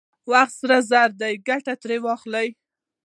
وخت سره زر دی، ګټه ترې واخلئ!